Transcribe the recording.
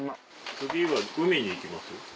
次は海に行きます？